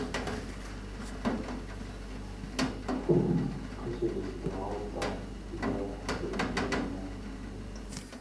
Tout se décidera au temple, qui doit célébrer l'hymen.